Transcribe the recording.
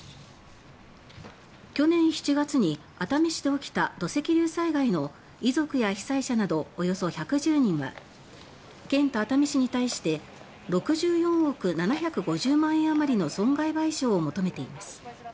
去年７月に熱海市で起きた土石流災害の遺族や被災者など１１０人は県と熱海市に対して６４億７５０万円余りの損害賠償を求めています。